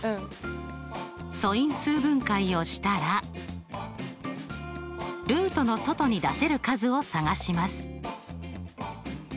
素因数分解をしたらルートの外に出せる数を探します。